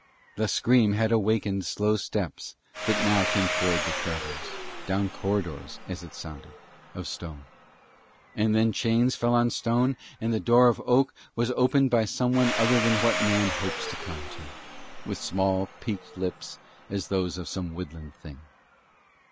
The scream had awakened slow steps that now came towards the travellers, down corridors, as it sounded, of stone. And then chains fell on stone and the door of oak was opened by some one older than what man hopes to come to, with small, peaked lips as those of some woodland thing.